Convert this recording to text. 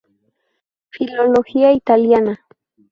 Filología italiana